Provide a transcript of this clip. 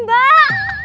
mba acara arisan art mba